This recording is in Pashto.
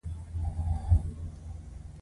جرم په هره ټولنه کې له جزا سره تړلی دی.